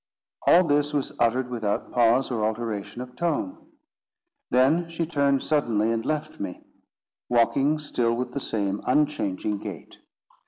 All this was uttered without pause or alteration of tone. Then she turned suddenly and left me, walking still with the same unchanging gait.